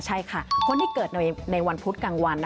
ใช่ค่ะคนที่เกิดในวันพุธกลางวัน